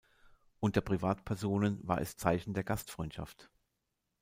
Unter Privatpersonen war es Zeichen der Gastfreundschaft.